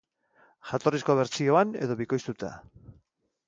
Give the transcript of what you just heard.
Jatorrizko bertsioan edo bikoiztuta?